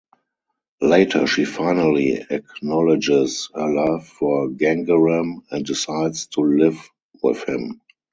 Later she finally acknowledges her love for Gangaram and decides to live with him.